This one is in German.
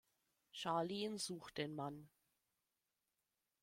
Charlene sucht den Mann.